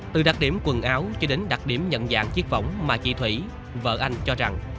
từ đặc điểm quần áo cho đến đặc điểm nhận dạng chiếc vỏng mà chị thủy vợ anh cho rằng